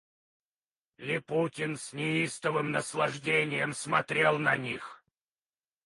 Липутин с неистовым наслаждением смотрел на них.